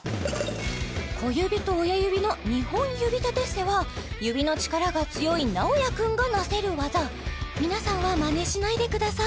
小指と親指の２本指立て伏せは指の力が強いＮＡＯＹＡくんがなせるワザ皆さんはマネしないでください